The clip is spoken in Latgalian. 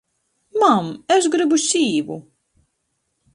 Mam, es grybu sīvu!